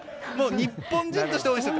日本人として応援している。